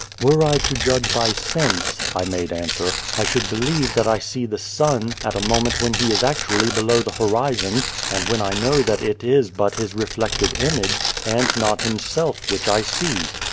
"Were I to judge by sense," I made answer, " I should believe that I see the sun, at a moment when he is actually below the horizon, and when I know that it is but his reflected image, and not himself, which I see.